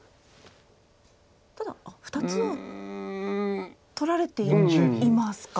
ただ２つを取られていますか。